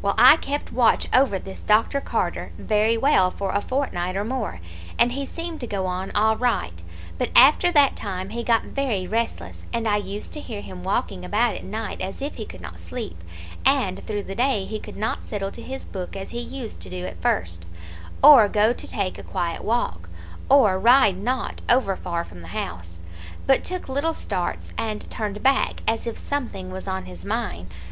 "Well, I kept watch over this Dr. Carter very well for a fortnight or more, and he seemed to go on all right; but after that time he got very restless, and I used to hear him walking about at night as if he could not sleep, and through the day he could not settle to his book as he used to do at first, or go to take a quiet walk, or ride not over far from the house, but took little starts and turned back, as if something was on his mind.